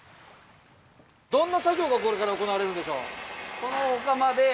どんな作業がこれから行われるんでしょう？